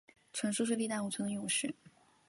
传说是力大无穷的勇士。